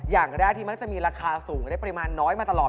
อย่างแรกที่มักจะมีราคาสูงและปริมาณน้อยมาตลอด